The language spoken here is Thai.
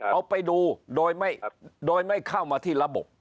เอาไปดูโดยไม่เข้ามาที่ระบบ